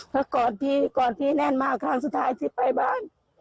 ถ้ากอดพี่แน่นมากครั้งสุดท้ายที่ไปบ้าน